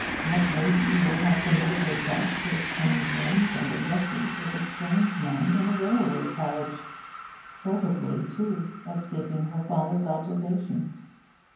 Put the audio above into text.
What lady would have permitted herself to exchange names and addresses with a strange man in a railway carriage furtively, too, escaping her father's observation?